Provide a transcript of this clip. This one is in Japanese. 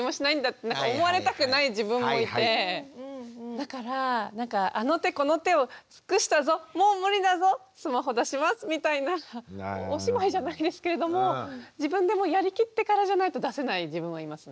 だからあの手この手を尽くしたぞもう無理だぞスマホ出しますみたいなお芝居じゃないですけれども自分でもやりきってからじゃないと出せない自分はいますね。